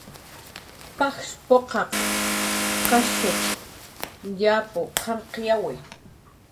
"Pajsh p""uqaq qashich yap qanqyawi "